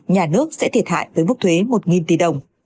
nhà nước sẽ thiệt hại với mức thuế một tỷ đồng